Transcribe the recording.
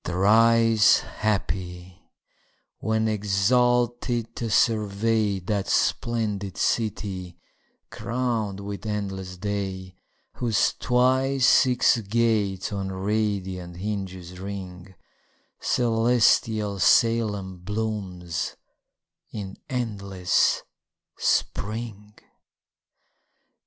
Thrice happy, when exalted to survey That splendid city, crown'd with endless day, Whose twice six gates on radiant hinges ring: Celestial Salem blooms in endless spring.